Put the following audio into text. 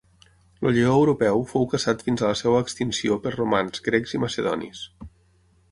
El lleó europeu fou caçat fins a la seva extinció per romans, grecs i macedonis.